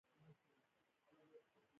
کوم چې پښتو ادب دپاره يوه لويه سرمايه ده ۔